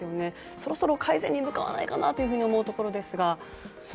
そろそろ改善に向かわないかなと思うところですが。